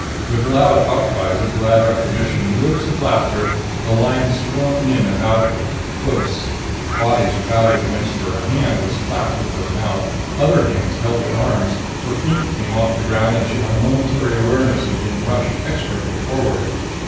With loud outcries of glad recognition and whoops of laughter, the line swung in about her, close. Bodies crowded against her; a hand was clapped over her mouth. Other hands held her arms. Her feet came off the ground and she had a momentary awareness of being rushed expertly forward.